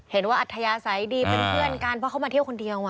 อัธยาศัยดีเป็นเพื่อนกันเพราะเขามาเที่ยวคนเดียว